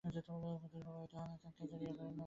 তিনি প্রভাবিত হন এবং সদকায়ে জারিয়ার প্রেরণা লাভ করেন।